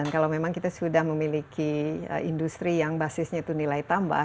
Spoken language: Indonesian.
karena kita sudah memiliki industri yang basisnya itu nilai tambah